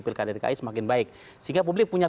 pilkada dki semakin baik sehingga publik punya